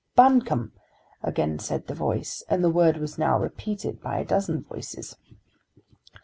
"Buncombe," again said the voice, and the word was now repeated by a dozen voices.